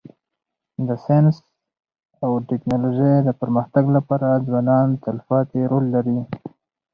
د ساینس او ټکنالوژۍ د پرمختګ لپاره ځوانان تلپاتی رول لري.